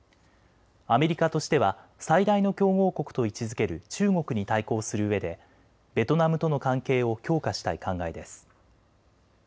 アメリカとしては最大の競合国と位置づける中国に対抗するうえでベトナムとの関係を強化したい考えです。